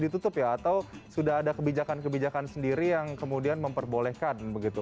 ditutup ya atau sudah ada kebijakan kebijakan sendiri yang kemudian memperbolehkan begitu